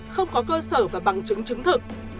không có cơ sở và bằng chứng chứng thực